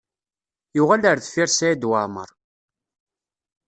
Yuɣal ar deffir Saɛid Waɛmaṛ.